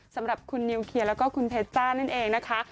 สำหรับคุณนิวเคลียร์แล้วก็คุณเพชจ้านั่นเองนะคะ